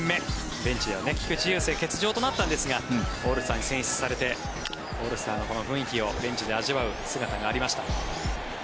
ベンチの菊池雄星欠場となったんですがオールスターに選出されてオールスターの雰囲気をベンチで味わう姿がありました。